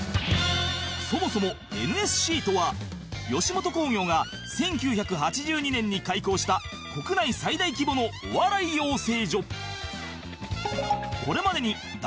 そもそも ＮＳＣ とは吉本興業が１９８２年に開校した国内最大規模のお笑い養成所